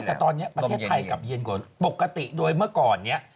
แต่ตอนนี้ประเทศไทยกลับเย็นกว่าปกติโดยเมื่อก่อนเนี่ย